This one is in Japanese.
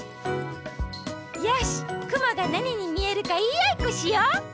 よしくもがなににみえるかいいあいっこしよう！